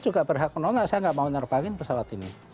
juga berhak menolak saya tidak mau menerbangkan pesawat ini